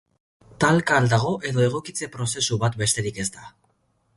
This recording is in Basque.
Talka al dago, edo egokitze prozesu bat besterik ez da?